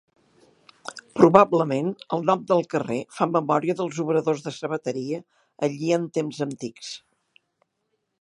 Probablement, el nom del carrer fa memòria dels obradors de sabateria allí en temps antics.